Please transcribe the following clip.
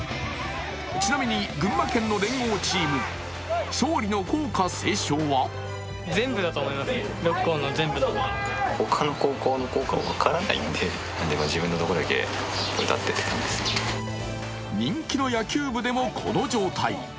ちなみに、群馬県の連合チーム勝利の校歌斉唱は人気の野球部でもこの状態。